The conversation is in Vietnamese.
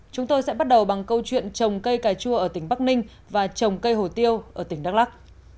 chúng tôi sẽ bắt đầu bằng câu chuyện trồng cây cà chua ở tỉnh bắc ninh và trồng cây hồ tiêu ở tỉnh đắk lắc